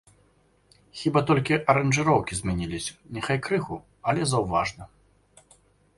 Хіба толькі аранжыроўкі змяніліся, няхай крыху, але заўважна.